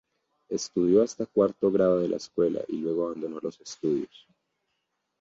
Estudió hasta cuarto grado de la escuela y luego abandonó los estudios.